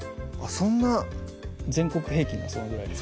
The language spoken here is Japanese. そんな全国平均がそのぐらいです